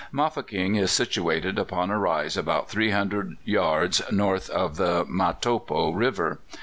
Mafeking is situated upon a rise about 300 yards north of the Matopo River.